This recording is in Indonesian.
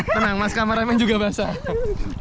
tenang mas kameramen juga basah